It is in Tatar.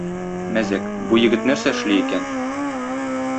Мәзәк: бу егет нәрсә эшли икән?